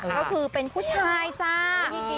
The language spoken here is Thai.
ก็คือเป็นผู้ชายจ้า